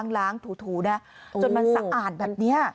จนมันสะอาดแบบนี้